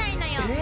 え⁉